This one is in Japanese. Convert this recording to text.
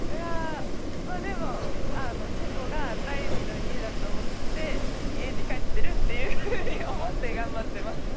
でもチェコが第２の家でと思って家に帰ってるって思って頑張ってます。